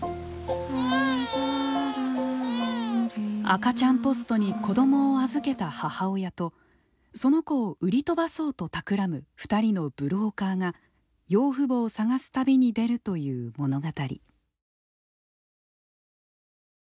赤ちゃんポストに子供を預けた母親とその子を売り飛ばそうとたくらむ二人のブローカーが養父母を探す旅に出るという物語。